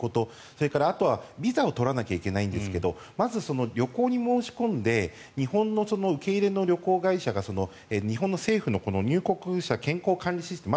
それからあとはビザを取らないといけないんですがまず旅行に申し込んで日本の受け入れの旅行会社が日本の政府の入国者健康管理システム